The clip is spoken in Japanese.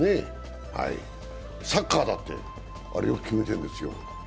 サッカーだって、あれを決めてるんですよ。